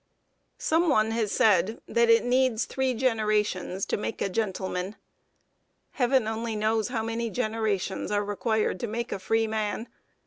] Some one has said that it needs three generations to make a gentleman. Heaven only knows how many generations are required to make a freeman!